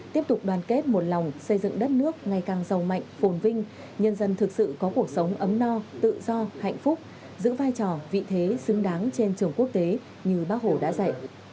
tiếp tục đoàn kết một lòng xây dựng đất nước ngày càng giàu mạnh phồn vinh nhân dân thực sự có cuộc sống ấm no tự do hạnh phúc giữ vai trò vị thế xứng đáng trên trường quốc tế như bác hồ đã dạy